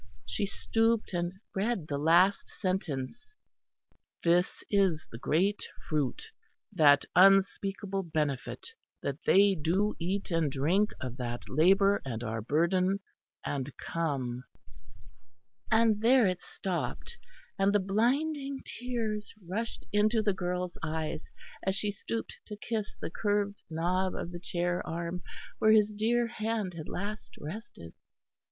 She stooped and read the last sentence. "This is the great fruit, that unspeakable benefit that they do eat and drink of that labour and are burden, and come " and there it stopped; and the blinding tears rushed into the girl's eyes, as she stooped to kiss the curved knob of the chair arm where his dear hand had last rested.